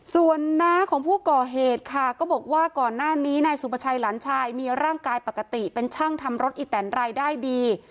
ส่วนน้าของผู้ก่อเหตุค่ะก็บอกว่าก่อนหน้านี้นายสุประชัยหลานชายมีร่างกายปกติเป็นช่างทำรถอีแตนรายได้ดี